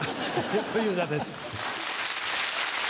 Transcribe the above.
小遊三です。